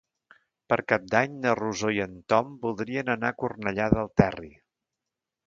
Per Cap d'Any na Rosó i en Tom voldrien anar a Cornellà del Terri.